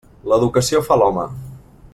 L'educació fa l'home.